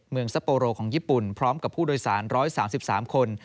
ซัปโปโรของญี่ปุ่นพร้อมกับผู้โดยสาร๑๓๓คน